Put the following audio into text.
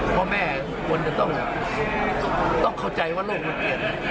ข้าวแม่มันควรจะต้องเข้าใจว่าโลกมันเกลี้ยไหม